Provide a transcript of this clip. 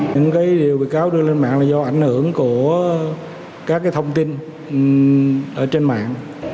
những điều bị cáo đưa lên mạng là do ảnh hưởng của các thông tin ở trên mạng